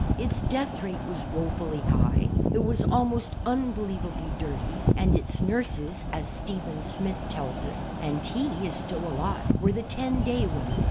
Its death rate was woefully high ; it was almost unbe lievably dirty, and its nurses, as Stephen Smith tells us, and he is still alive, were the "ten day women."